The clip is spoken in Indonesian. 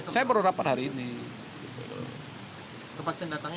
saya baru dapat hari ini